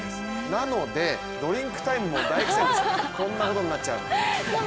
なので、ドリンクタイムも大苦戦こんなことになっちゃう。